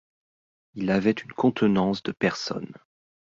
Il avait une contenance de personnes.